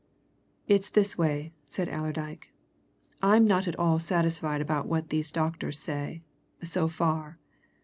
"It's this way," said Allerdyke. "I'm not at all satisfied about what these doctors say, so far.